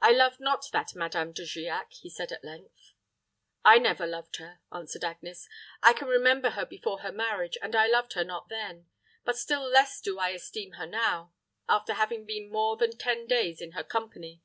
"I love not that Madame De Giac," he said, at length. "I never loved her," answered Agnes. "I can remember her before her marriage, and I loved her not then; but still less do I esteem her now, after having been more than ten days in her company.